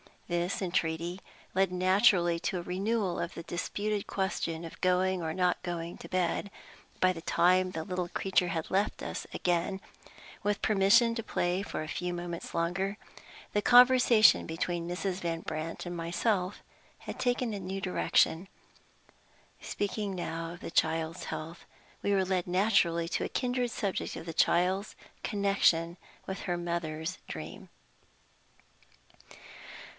This entreaty led naturally to a renewal of the disputed question of going, or not going, to bed. By the time the little creature had left us again, with permission to play for a few minutes longer, the conversation between Mrs. Van Brandt and myself had taken a new direction. Speaking now of the child's health, we were led naturally to the kindred subject of the child's connection with her mother's dream.